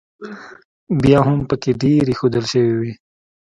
بیا هم پکې ډېرې ایښوول شوې وې.